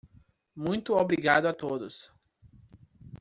Muito obrigado a todos.